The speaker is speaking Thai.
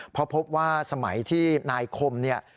เพราะพบว่าสมัยที่นายคมเนี่ย